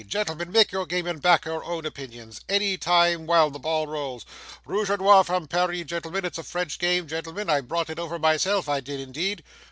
Gentlemen, make your game and back your own opinions any time while the ball rolls rooge a nore from Paris, gentlemen, it's a French game, gentlemen, I brought it over myself, I did indeed!